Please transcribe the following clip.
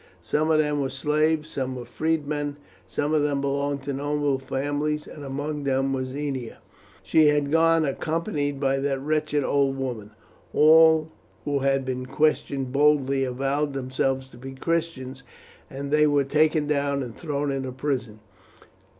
Some of them were slaves, some freedmen, some of them belonged to noble families, and among them was Ennia. "She had gone accompanied by that wretched old woman. All who had been questioned boldly avowed themselves to be Christians, and they were taken down and thrown into prison.